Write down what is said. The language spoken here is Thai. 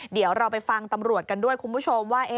เดี๋ยวเราไปฟังตำรวจกันด้วยคุณผู้ชมว่า